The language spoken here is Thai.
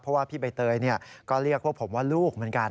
เพราะว่าพี่ใบเตยก็เรียกพวกผมว่าลูกเหมือนกัน